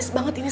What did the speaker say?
ini untuk aku